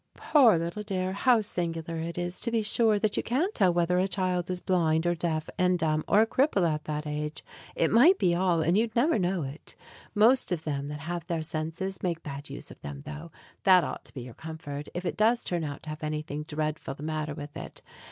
Poor, little dear! How singular it is, to be sure, that you can't tell whether a child is blind, or deaf and dumb, or a cripple at that age. It might be all, and you'd never know it. Most of them that have their senses make bad use of them though; that ought to be your comfort, if it does turn out to have anything dreadful the matter with it.